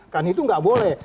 kan itu gak boleh